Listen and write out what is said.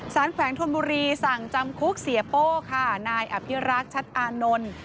แขวงธนบุรีสั่งจำคุกเสียโป้ค่ะนายอภิรักษ์ชัดอานนท์